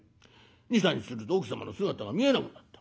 ２３日すると奥様の姿が見えなくなった。